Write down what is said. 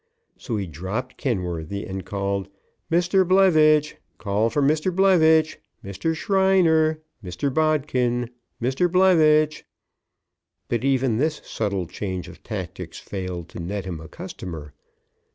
So he dropped Kenworthy and called: "Mr. Blevitch. Call for Mr. Blevitch Mr. Shriner Mr. Bodkin Mr. Blevitch " But even this subtle change of tactics failed to net him a customer.